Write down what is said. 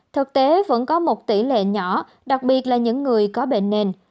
thực tế vẫn có một tỷ lệ nhỏ đặc biệt là những người có bệnh nền